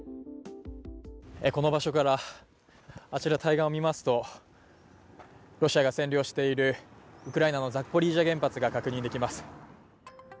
この場所から、あちら対岸を見ますと、ロシアが占領しているウクライナのザポリージャ原発が確認できます。